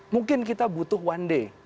mungkin kita butuh one day